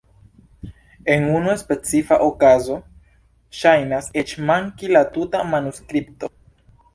En unu specifa okazo ŝajnas eĉ manki la tuta manuskripto!